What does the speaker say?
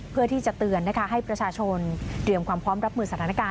เพื่อที่จะเตือนนะคะให้ประชาชนเตรียมความพร้อมรับมือสถานการณ์